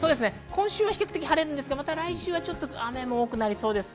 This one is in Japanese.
今週は比較的晴れますが、来週は雨も多くなりそうです。